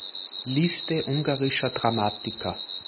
Liste ungarischer Dramatiker